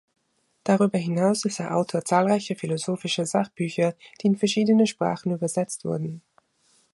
Darüber hinaus ist er Autor zahlreicher philosophischer Sachbücher, die in verschiedene Sprachen übersetzt wurden.